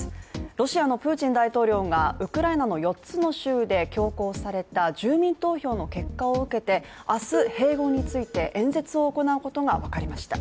ロシアのプーチン大統領が、ロシアの４つの州で強行された住民投票の結果を受けて、明日、併合について演説を行うことが分かりました。